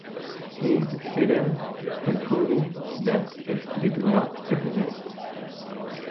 He succeeded in proving that it did not exist.